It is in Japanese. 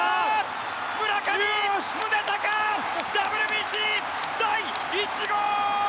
村上宗隆、ＷＢＣ第１号！